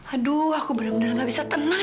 aduh aku bener bener nggak bisa tenang